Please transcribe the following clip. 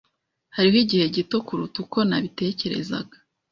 Hariho igihe gito kuruta uko nabitekerezaga.